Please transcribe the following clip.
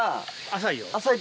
浅いよ。